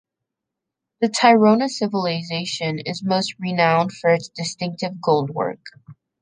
The Tairona civilization is most renowned for its distinctive goldwork.